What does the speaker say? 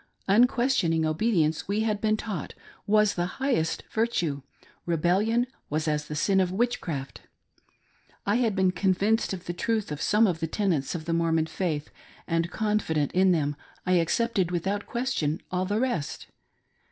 Unquestioning obedience, we had been taught, was the highest virtue ; rebellion was as the sin of witchcraft. L had, been convinced of the truth of some of the tenets of the Mormon faith, and confident in them, I accepted without question all the rest.